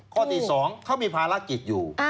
ข้อที่๒เขามีภารกิจอยู่